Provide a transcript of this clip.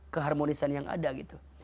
keharmonisan yang ada gitu